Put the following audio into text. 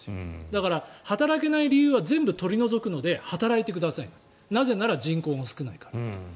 だから、働けない理由は全部取り除くので働いてくださいとなぜなら人口が少ないから。